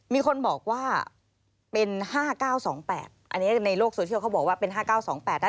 มีคนบอกว่าเป็น๕๙๒๘อันนี้ในโลกโซเชียลเขาบอกว่าเป็น๕๙๒๘ได้